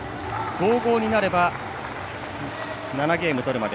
５−５になれば７ゲーム取るまで。